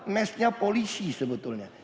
masknya polisi sebetulnya